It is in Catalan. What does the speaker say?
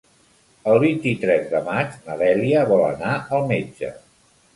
El vint-i-tres de maig na Dèlia vol anar al metge.